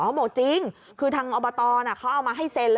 เขาบอกจริงคือทางอบตเขาเอามาให้เซ็น